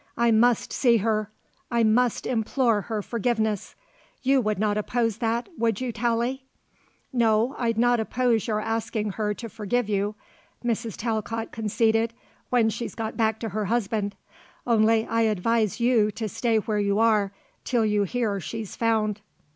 I must see her. I must implore her forgiveness. You would not oppose that, would you, Tallie?" "No, I'd not oppose your asking her to forgive you," Mrs. Talcott conceded, "when she's got back to her husband. Only I advise you to stay where you are till you hear she's found."